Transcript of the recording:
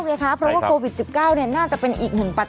สำหรับโครงการคนละครึ่งเฟส๓ก็มีระยะเวลาในการใช้สิทธิ์นะครับ